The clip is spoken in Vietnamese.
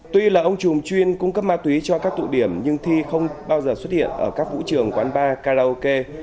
tuy là ông chùm chuyên cung cấp ma túy cho các tụ điểm nhưng thi không bao giờ xuất hiện ở các vũ trường quán bar karaoke